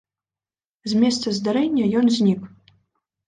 З месца здарэння ён знік.